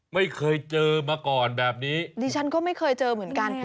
ไม่เคยเจอมาก่อนแบบนี้ดิฉันก็ไม่เคยเจอเหมือนกัน